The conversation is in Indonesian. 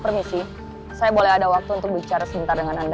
permisi saya boleh ada waktu untuk bicara sebentar dengan anda